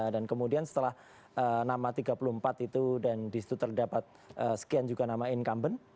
dan kemudian setelah nama tiga puluh empat itu dan di situ terdapat sekian juga nama incumbent